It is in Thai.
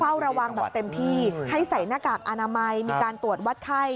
เฝ้าระวังแบบเต็มที่ให้ใส่หน้ากากอนามัยมีการตรวจวัดไข้